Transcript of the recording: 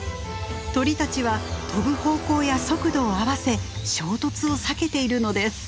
鳥たちは飛ぶ方向や速度を合わせ衝突を避けているのです。